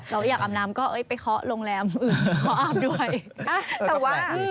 เราอยากอำนำก็ไปเคาะโรงแรมอื่นเคาะอาบด้วย